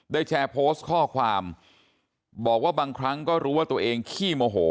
แชร์โพสต์ข้อความบอกว่าบางครั้งก็รู้ว่าตัวเองขี้โมโห